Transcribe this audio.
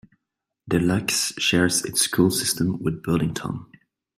Des Lacs shares its school system with Burlington.